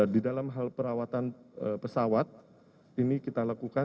di dalam hal perawatan pesawat ini kita lakukan